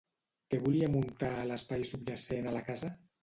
Què volia muntar a l'espai subjacent a la casa?